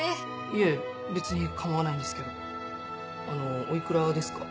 いえ別に構わないんですけどあのお幾らですか？